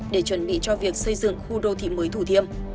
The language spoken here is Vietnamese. để chuẩn bị cho việc xây dựng khu đô thị mới thủ thiêm